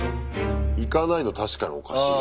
いかないの確かにおかしいね。